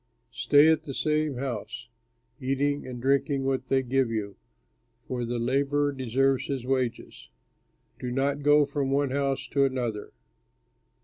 Stay at the same house, eating and drinking what they give you, for the laborer deserves his wages. Do not go from one house to another.